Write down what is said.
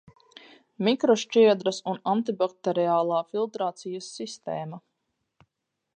Mikrošķiedras un antibakteriālā filtrācijas sistēma